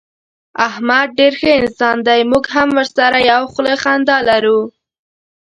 احمد ډېر ښه انسان دی. موږ هم ورسره یوه خوله خندا لرو.